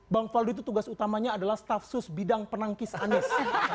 bang faldo itu tugas utamanya adalah staf sus bidang penangkis anies